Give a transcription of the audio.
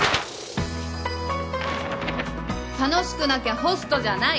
「楽しくなきゃホストじゃない」。